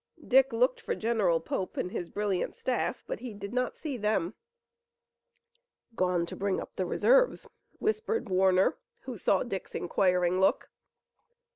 Dick looked for General Pope and his brilliant staff, but he did not see them. "Gone to bring up the reserves," whispered Warner, who saw Dick's inquiring look.